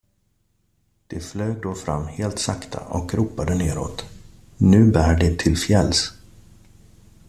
De flög då fram helt sakta och ropade neråt: Nu bär det till fjälls.